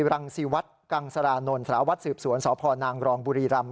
รังสีวัฒน์กังสรานนท์สหวัฒน์สืบสวนสพนรองบุรีรำ